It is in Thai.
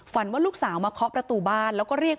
ว่าลูกสาวมาเคาะประตูบ้านแล้วก็เรียก